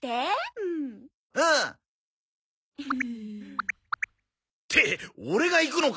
うん！ってオレが行くのか？